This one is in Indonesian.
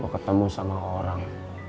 ketemu sama orang